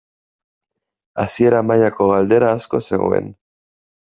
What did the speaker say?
Hasiera mailako galdera asko zegoen.